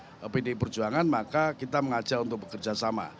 kalau ada kesepaman dengan pdi perjuangan maka kita mengajar untuk bekerja sama